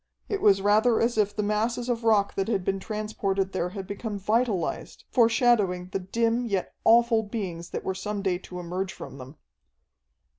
It was rather as if the masses of rock that had been transported there had become vitalized, foreshadowing the dim yet awful beings that were some day to emerge from them.